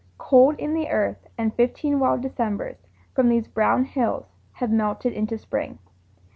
Cold in the earth, and fifteen wild Decembers From these brown hills have melted into Spring.